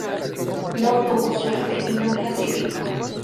No tuvo suerte y no clasificó.